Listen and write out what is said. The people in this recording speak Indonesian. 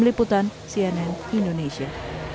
tim liputan cnn indonesia